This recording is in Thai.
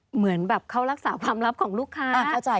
เหมือนเขารักษาความลับของลูกค้า